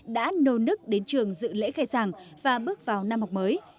đã nô nức đến trường dự lễ khai giảng và bước vào năm học mới